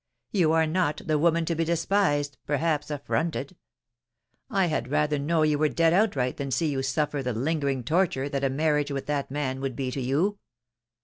You are not the woman to be despised, perhaps affronted. I had rather know you were dead outright than see you suffer the lingering torture that a marriage with that man would be to you.